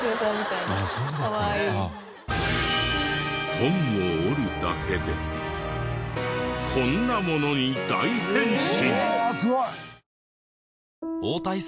本を折るだけでこんなものに大変身！